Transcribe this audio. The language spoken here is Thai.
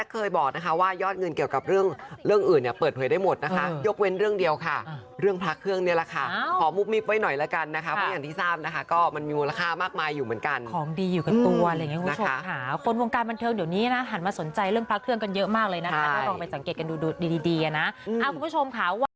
ความเป็นสายมูลของแจ็คธนพล